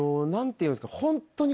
本当に。